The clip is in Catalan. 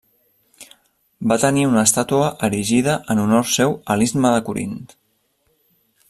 Va tenir una estàtua erigida en honor seu a l'istme de Corint.